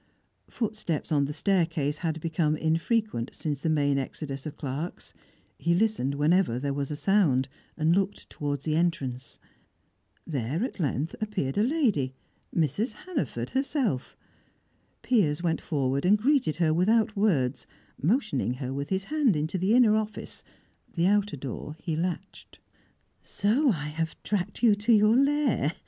Footsteps on the staircase had become infrequent since the main exodus of clerks; he listened whenever there was a sound, and looked towards the entrance. There, at length, appeared a lady, Mrs. Hannaford herself. Piers went forward, and greeted her without words, motioning her with his hand into the inner office; the outer door he latched. "So I have tracked you to your lair!"